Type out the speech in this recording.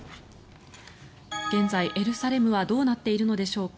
現在、エルサレムはどうなっているのでしょうか。